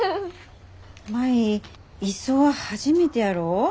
舞磯は初めてやろ。